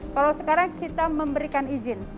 kalau sekarang kita memberikan izin